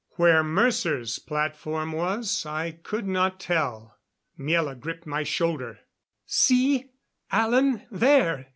Where Mercer's platform was I could not tell. Miela gripped my shoulder. "See, Alan there!"